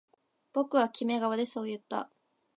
僕はキメ顔でそう言った